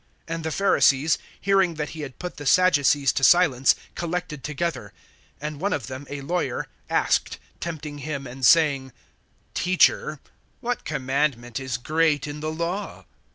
(34)And the Pharisees, hearing that he had put the Sadducees to silence, collected together; (35)and one of them, a lawyer, asked, tempting him and saying: (36)Teacher, what commandment is great in the law?